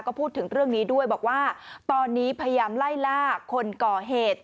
ก็พูดถึงเรื่องนี้ด้วยบอกว่าตอนนี้พยายามไล่ล่าคนก่อเหตุ